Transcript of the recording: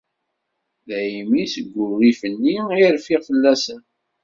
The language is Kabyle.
Daymi, seg wurrif-nni i rfiɣ fell-asen.